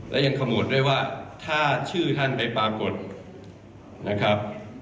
และยังขมวดด้วยว่าถ้าชื่อท่านไปปรากฏนะครับ